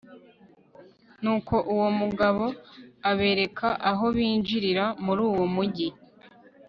nuko uwo mugabo abereka aho binjirira muri uwo mugi